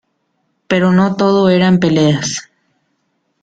Pero no todo eran peleas.